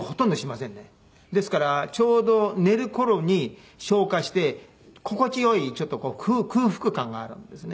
ですからちょうど寝る頃に消化して心地よいちょっと空腹感があるんですね。